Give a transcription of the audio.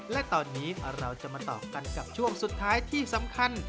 และตอนนี้เราจะมาต่อกันกับช่วงสุดท้ายที่สำคัญ